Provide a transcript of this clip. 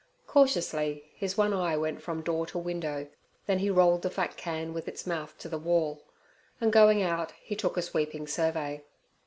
Cautiously his one eye went from door to window, then he rolled the fat can with its mouth to the wall, and, going out, he took a sweeping survey.